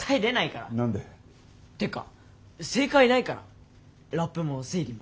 何で？ってか正解ないからラップも生理も。